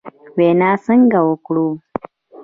وینا څنګه وکړو ؟